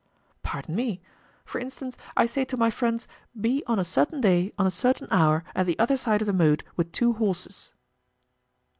"Pardon me; for instance, I say to my friends, Be on a certain day, on a certain hour, at the other side of the moat with two horses."